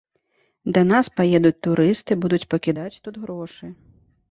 Да нас паедуць турысты, будуць пакідаць тут грошы.